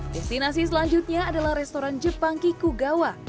destinasi selanjutnya adalah restoran jepang kikugawa